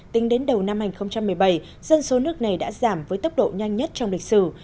tính đến đầu năm hai nghìn một mươi bảy dân số nước này đã giảm với tốc độ nhanh nhất trong lịch sử